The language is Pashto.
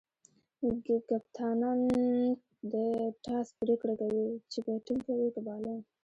کپتانان د ټاس پرېکړه کوي، چي بيټینګ کوي؛ که بالینګ.